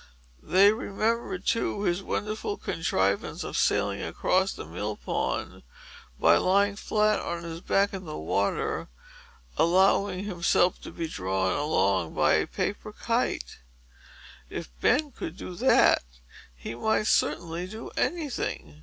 They remembered, too, his wonderful contrivance of sailing across the mill pond by lying flat on his back, in the water, and allowing himself to be drawn along by a paper kite. If Ben could do that, he might certainly do any thing.